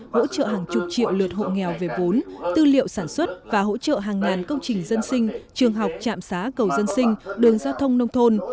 hỗ trợ hàng chục triệu lượt hộ nghèo về vốn tư liệu sản xuất và hỗ trợ hàng ngàn công trình dân sinh trường học trạm xá cầu dân sinh đường giao thông nông thôn